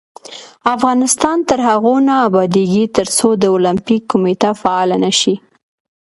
افغانستان تر هغو نه ابادیږي، ترڅو د اولمپیک کمیټه فعاله نشي.